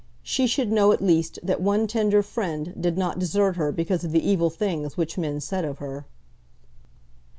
She should know at least that one tender friend did not desert her because of the evil things which men said of her.